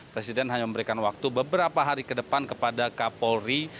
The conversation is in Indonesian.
presiden hanya memberikan waktu beberapa hari ke depan kepada kapolri